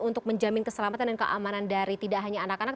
untuk menjamin keselamatan dan keamanan dari tidak hanya anak anak